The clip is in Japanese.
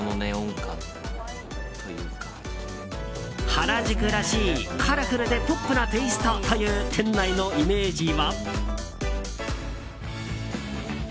原宿らしいカラフルでポップなテイストという店内のイメージは。